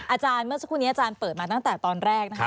อาจารย์เมื่อสักครู่นี้อาจารย์เปิดมาตั้งแต่ตอนแรกนะคะ